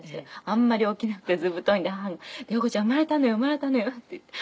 あんまり起きなくて図太いんで母が「良子ちゃん生まれたのよ生まれたのよ」って言って。